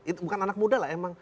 itu bukan anak muda lah emang